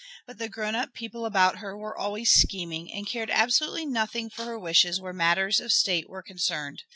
But the grown up people about her were always scheming, and cared absolutely nothing for her wishes where matters of state were concerned.